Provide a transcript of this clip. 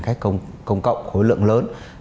cách công cộng khối lượng lớn